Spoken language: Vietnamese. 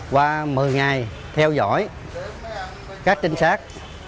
qua một mươi ngày theo dõi các trinh sát